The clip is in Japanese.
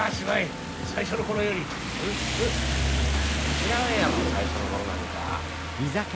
知らんやろ最初の頃なんか。